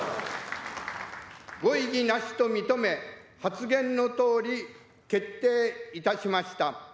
御異議なしと認め、発言のとおり決定いたしました。